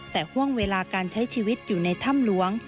แต่ห่วงเวลาการใช้ชีวิตอยู่ในถ้ำหลวง